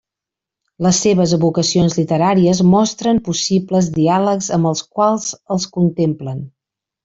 Les seves evocacions literàries mostren possibles diàlegs amb els quals els contemplen.